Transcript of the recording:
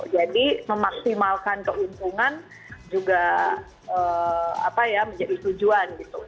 jadi memaksimalkan keuntungan juga menjadi tujuan